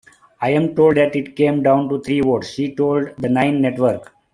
I'm told that it came down to three votes, she told the Nine Network.